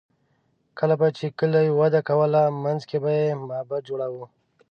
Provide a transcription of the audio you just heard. کله به چې کلي وده کوله، منځ کې به یې معبد جوړاوه.